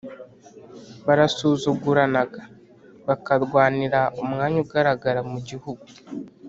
barasuzuguranaga, bakarwanira umwanya ugaragara mu gihugu